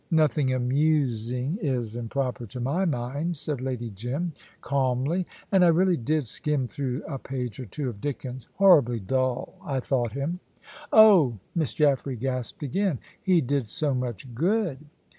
"Nothing amusing is improper to my mind," said Lady Jim, calmly; "and I really did skim through a page or two of Dickens. Horribly dull, I thought him." "Oh!" Miss Jaffray gasped again. "He did so much good."